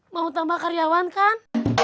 mau tambah karyawan kan